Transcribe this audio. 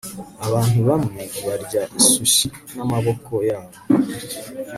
Abantu bamwe barya sushi namaboko yabo